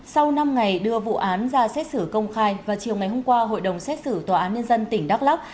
sau năm ngày đưa vụ án ra xét xử công khai và chiều ngày hôm qua hội đồng xét xử tòa án nhân dân tỉnh đắk lắc